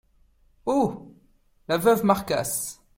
Oh ! la veuve Marcasse !…